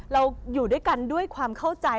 เราอยู่ด้วยกันด้วยความเข้าใจ